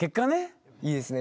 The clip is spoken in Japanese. いいですね。